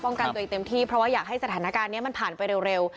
กันตัวเองเต็มที่เพราะว่าอยากให้สถานการณ์นี้มันผ่านไปเร็ว